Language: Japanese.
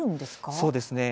そうですね。